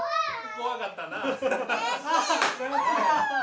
怖かったな。